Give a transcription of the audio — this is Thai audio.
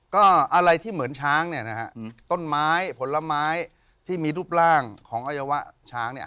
ก็อะไรที่เหมือนช้างเนี่ยนะฮะต้นไม้ผลไม้ที่มีรูปร่างของอวัยวะช้างเนี่ย